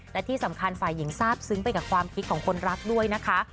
และที่สำคัญฝ่ายหญิงทราบซึ้งไปกับความคิดของคนรักด้วยนะคะ